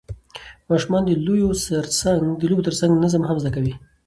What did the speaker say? ماشومان د لوبو ترڅنګ نظم هم زده کوي